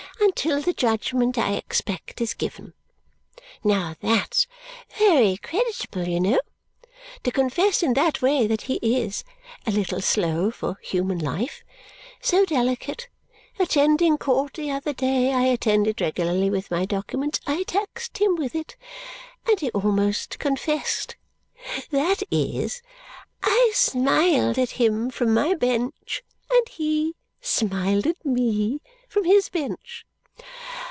Until the judgment I expect is given. Now that's very creditable, you know. To confess in that way that he IS a little slow for human life. So delicate! Attending court the other day I attend it regularly, with my documents I taxed him with it, and he almost confessed. That is, I smiled at him from my bench, and HE smiled at me from his bench.